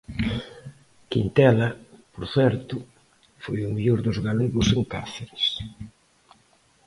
Quintela, por certo, foi o mellor dos galegos en Cáceres.